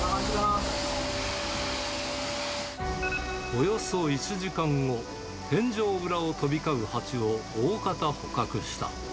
およそ１時間後、天井裏を飛び交うハチを大方捕獲した。